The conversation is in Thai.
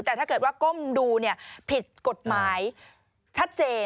แต่ถ้าเกิดว่าก้มดูผิดกฎหมายชัดเจน